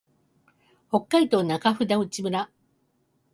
北海道中札内村